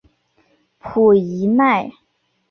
普伊奈。